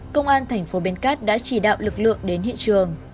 công an thành phố bến cát đã chỉ đạo lực lượng đến hiện trường